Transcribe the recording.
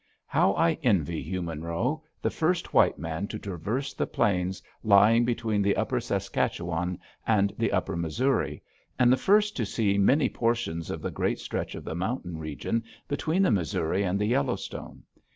How I envy Hugh Monroe, the first white man to traverse the plains lying between the Upper Saskatchewan and the Upper Missouri, and the first to see many portions of the great stretch of the mountain region between the Missouri and the Yellowstone.